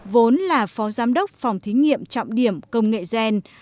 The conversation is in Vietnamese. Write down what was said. vốn là phó giám đốc phòng thí nghiệm trọng điểm công nghệ gen